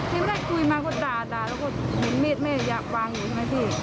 ที่ไม่ได้คุยมาก็ด่าแล้วก็เห็นมีดแม่วางอยู่ใช่ไหมพี่